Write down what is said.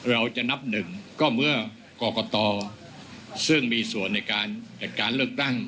เราจะนับหนึ่งก็เมื่อกรกตซึ่งมีส่วนในการจัดการเลือกตั้ง